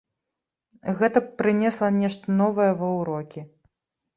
Гэта б прынесла нешта новае ва ўрокі.